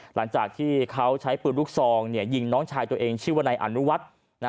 หลังจากที่เขาใช้ปืนลูกซองยิงน้องชายตัวเองชื่อว่านายอนุวัฒน์